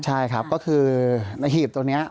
ใช่ครับก็คือในหีบตรงนี้